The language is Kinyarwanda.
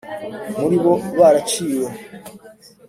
muri bo baraciwe.